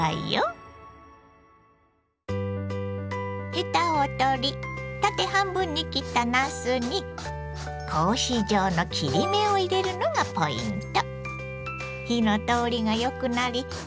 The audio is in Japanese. ヘタを取り縦半分に切ったなすに格子状の切り目を入れるのがポイント。